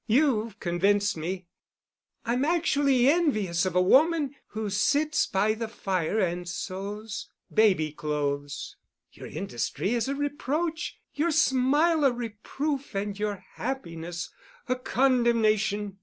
You've convinced me. I'm actually envious of a woman who sits by the fire and sews baby clothes. Your industry is a reproach—your smile a reproof and your happiness a condemnation.